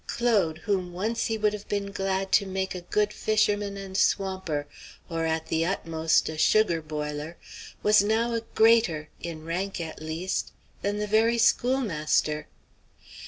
Claude, whom once he would have been glad to make a good fisherman and swamper, or at the utmost a sugar boiler, was now a greater, in rank at least, than the very schoolmaster.